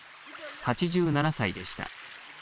８７歳でした。